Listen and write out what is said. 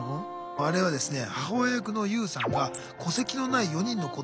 あれはですね